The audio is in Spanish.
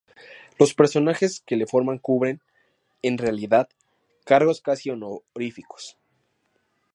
Los personajes que la forman cubren, en realidad, cargos casi honoríficos.